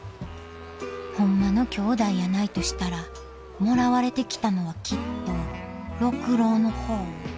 ホンマのきょうだいやないとしたらもらわれてきたのはきっと六郎の方。